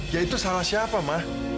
ya itu salah siapa mah